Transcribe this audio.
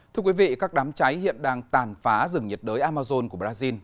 thưa quý vị các đám cháy hiện đang tàn phá rừng nhiệt đới amazon của brazil